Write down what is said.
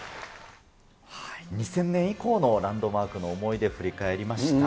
２０００年以降のランドマークの思い出、振り返りました。